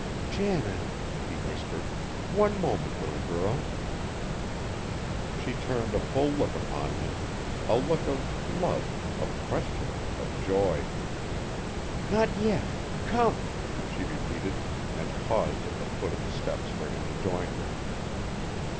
"Janet!" he whispered. "One moment, little girl!" She turned a full look upon him. A look of love, of question, of joy! "Not yet. Come!" she repeated, and paused at the foot of the steps for him to join her.